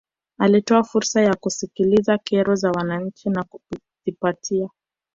alitoa fursa ya kusikiliza kero za wananchi na kuzipatia